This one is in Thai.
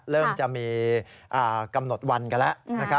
เริ่มจะมีกำหนดวันกันแล้ว